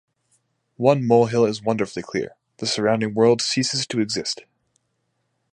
One molehill is wonderfully clear; the surrounding world ceases to exist.